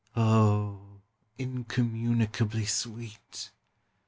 Oh, incommunicably sweet!